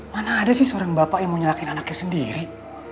mana ada sih seorang bapak yang mau nyelakin anaknya sendiri